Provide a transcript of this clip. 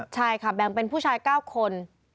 ใช่ค่ะแบ่งเป็นผู้ชาย๙คน